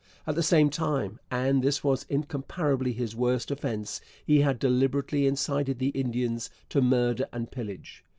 At the same time and this was incomparably his worst offence he had deliberately incited the Indians to murder and pillage.